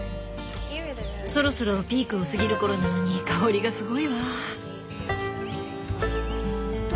そろそろピークを過ぎる頃なのに香りがすごいわ。